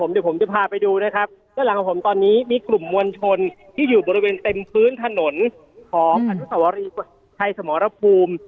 เดี๋ยวผมจะพาไปดูนะครับด้านหลังของผมตอนนี้มีกลุ่มมวลชนที่อยู่บริเวณเต็มพื้นถนนของอนุสวรีชัยสมรภูมิ